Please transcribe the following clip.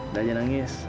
udah aja nangis